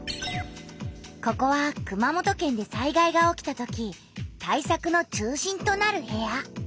ここは熊本県で災害が起きたとき対策の中心となる部屋。